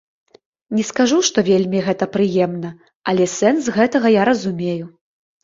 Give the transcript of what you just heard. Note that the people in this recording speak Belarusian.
Не скажу, што вельмі гэта прыемна, але сэнс гэтага я разумею.